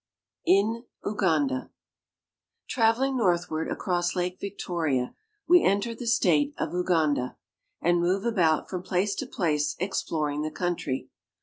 IN UGANDA TRAVELING northward across Lake Victoria, we enter the state of Uganda, and move about from place to place exploring the country.